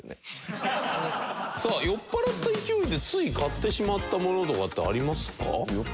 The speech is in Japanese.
さあ酔っ払った勢いでつい買ってしまった物とかってありますか？